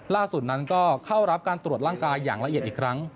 ล่าสุดนั้นก็เข้ารับการตรวจร่างกายอย่างละเอียดอีกครั้ง